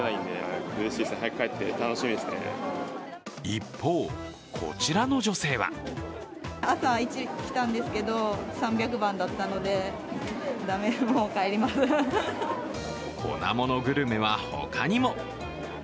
一方、こちらの女性は粉ものグルメは他にも。